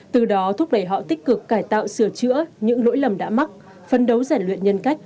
từ đó thúc đẩy họ tích cực cải tạo sửa chữa những lỗi lầm đã mắc phân đấu giải luyện nhân cách